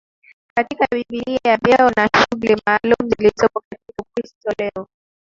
katika Biblia Vyeo na shughuli maalumu zilizopo katika Ukristo leo